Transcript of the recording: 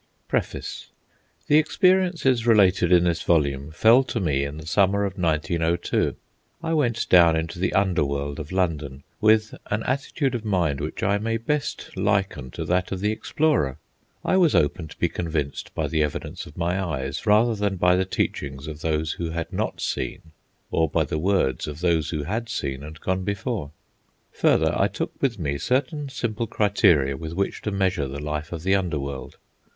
PREFACE The experiences related in this volume fell to me in the summer of 1902. I went down into the under world of London with an attitude of mind which I may best liken to that of the explorer. I was open to be convinced by the evidence of my eyes, rather than by the teachings of those who had not seen, or by the words of those who had seen and gone before. Further, I took with me certain simple criteria with which to measure the life of the under world.